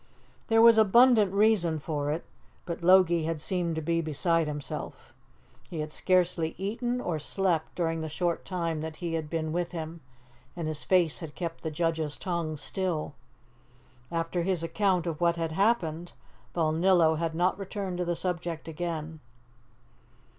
There was abundant reason for it, but Logie had seemed to be beside himself. He had scarcely eaten or slept during the short time that he had been with him, and his face had kept the judge's tongue still. After his account of what had happened, Balnillo had not returned to the subject again.